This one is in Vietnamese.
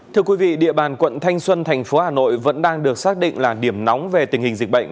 thưa quý vị địa bàn quận thanh xuân thành phố hà nội vẫn đang được xác định là điểm nóng về tình hình dịch bệnh